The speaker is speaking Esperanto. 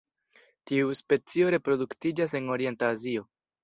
Tiu specio reproduktiĝas en orienta Azio.